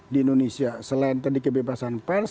di indonesia selain tadi kebebasan pers